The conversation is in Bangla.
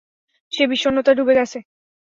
সে বিষণ্নতায় ডুবে গেছে।